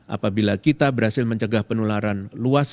apabila kita berhasil mencegah penularan luas